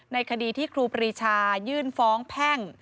ในคดีที่ครูปรีชายื่นฟ้องแพ่ง